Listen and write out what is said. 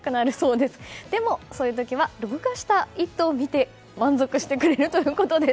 でもそういう時は録画した「イット！」を見て満足してくれるということです。